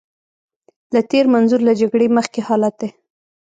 له تېر منظور له جګړې مخکې حالت دی.